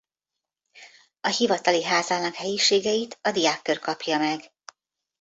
A hivatali házának helyiségeit a diákkör kapja meg.